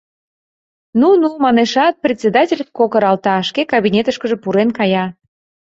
— Ну, ну... — манешат, председатель кокыралта, шке кабинетышкыже пурен кая...